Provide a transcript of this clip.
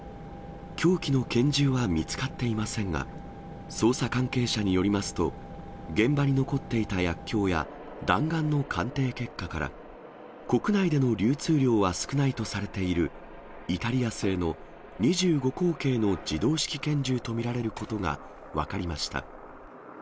凶器の拳銃は見つかっていませんが、捜査関係者によりますと、現場に残っていた薬きょうや、弾丸の鑑定結果から、国内での流通量は少ないとされているイタリア製の２５口径の自動式拳銃と見られることが分かりました。